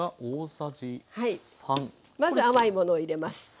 まず甘いものを入れます。